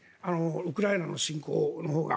ウクライナの進行のほうが。